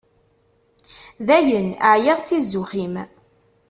Dayen, εyiɣ si zzux-im.